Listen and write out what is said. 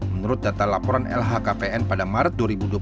menurut data laporan lhkpn pada maret dua ribu dua puluh